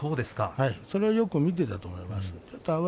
それをよく見ていたと思います。